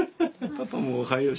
パパもおはよう。